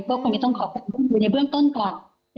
ก็คงจะต้องขอความทรงจำอยู่ในเบื้องต้นก่อน